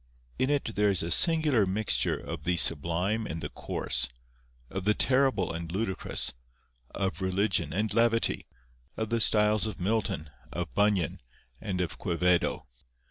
In it there is a singular mixture of the sublime and the coarse, of the terrible and ludicrous, of religion and levity, of the styles of Milton, of Bunyan, and of Quevedo.